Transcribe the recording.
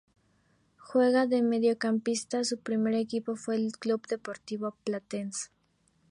Juega de mediocampista, su primer equipo fue el Club Deportivo Platense.